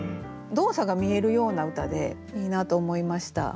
動作が見えるような歌でいいなと思いました。